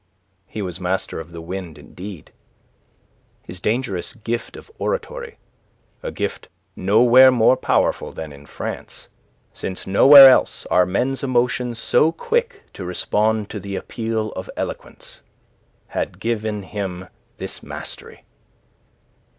He was master of the wind, indeed. His dangerous gift of oratory a gift nowhere more powerful than in France, since nowhere else are men's emotions so quick to respond to the appeal of eloquence had given him this mastery.